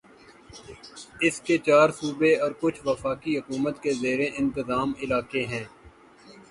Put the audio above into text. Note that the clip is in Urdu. اس کے چار صوبے اور کچھ وفاقی حکومت کے زیر انتظام علاقے ہیں